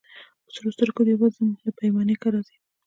په سرو سترګو دي وزم له پیمانه که راځې